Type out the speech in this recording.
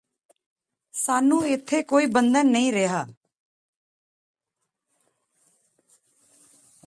ਸਾਨੂੰ ਇਥੇ ਕੋਈ ਬੰਧਨ ਨਹੀਂ ਰਹਿਾ